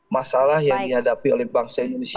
masalah yang dihadapi oleh bangsa indonesia